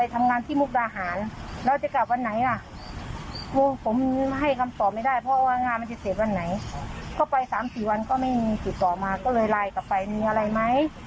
อีกวันก็ไม่มีติดต่อมาก็เลยไลน์ต่อไปมีอะไรไหม